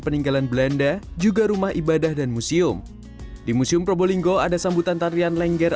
peninggalan belanda juga rumah ibadah dan museum di museum probolinggo ada sambutan tarian lengger